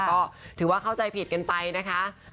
ก็ถือว่าเข้าใจผิดกันไปนะคะ